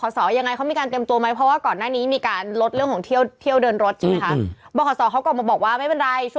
ก็น่ะตามนิตรก็อ่านไปแบบตามก็เหลือบอกดึงว่าเค้าคุยอะไรกันอยู่